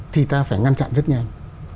thì ta phải ngăn chặn rất nhanh